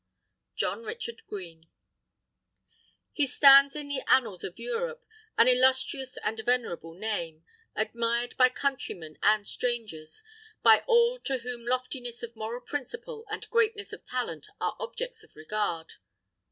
_ JOHN RICHARD GREEN _He stands in the annals of Europe, "an illustrious and venerable name," admired by countrymen and strangers, by all to whom loftiness of moral principle and greatness of talent are objects of regard.